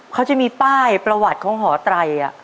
เขาจะมีป้ายประวัติของหอไตร